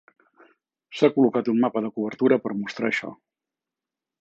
S'ha col·locat un mapa de cobertura per a mostrar això.